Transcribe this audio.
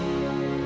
aku menyusul kamu